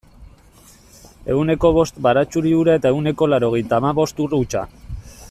Ehuneko bost baratxuri ura eta ehuneko laurogeita hamabost ur hutsa.